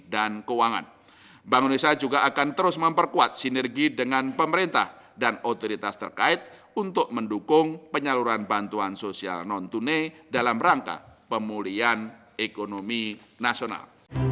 keuangan bank indonesia juga akan terus memperkuat sinergi dengan pemerintah dan otoritas terkait untuk mendukung penyaluran bantuan sosial non tunai dalam rangka pemulihan ekonomi nasional